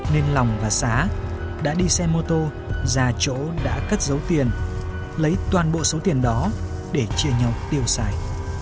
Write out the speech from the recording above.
nên lòng và xá đã đi xe mô tô ra chỗ đã cất dấu tiền lấy toàn bộ số tiền đó để chia nhau tiêu xài